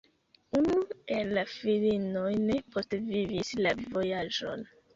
Unu el la filinoj ne postvivis la vojaĝon.